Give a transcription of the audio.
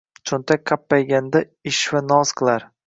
Cho’ntak qappayganda ishva-noz qilar.